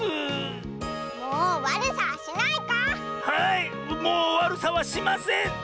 はい。